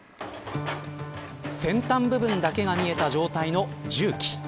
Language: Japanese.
先端部分だけが見えた状態の重機。